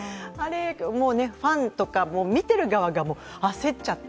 ファンとか、見てる側が焦っちゃって。